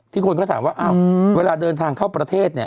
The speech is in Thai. ที่คนก็ถามว่าเวลาเดินทางเข้าประเทศ